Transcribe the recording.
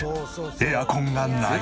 エアコンがない。